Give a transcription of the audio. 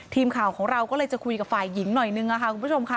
ทีมข่าวของเราก็เลยจะคุยกับฝ่ายหญิงหน่อยนึงค่ะคุณผู้ชมค่ะ